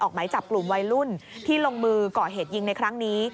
ไหมจับกลุ่มวัยรุ่นที่ลงมือก่อเหตุยิงในครั้งนี้